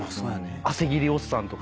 汗ぎりおっさんとか。